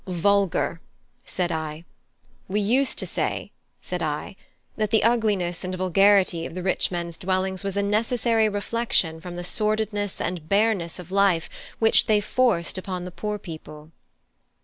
"Vulgar," said I. "We used to say," said I, "that the ugliness and vulgarity of the rich men's dwellings was a necessary reflection from the sordidness and bareness of life which they forced upon the poor people."